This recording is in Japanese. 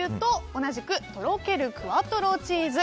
同じく、とろけるクアトロチーズ。